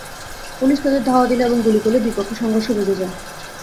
Police তাদের ধাওয়া দিলে এবং গুলি করলে দুই পক্ষে সংঘর্ষ বেধে যায়।